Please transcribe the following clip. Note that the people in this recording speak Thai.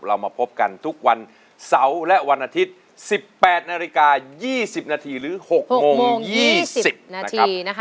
เรามาพบกันทุกวันเสาร์และวันอาทิตย์๑๘นาฬิกา๒๐นาทีหรือ๖โมง๒๐นาทีนะคะ